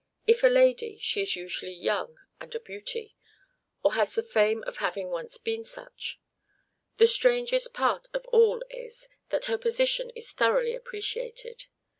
If a lady, she is usually young and a beauty, or has the fame of having once been such. The strangest part of all is, that her position is thoroughly appreciated.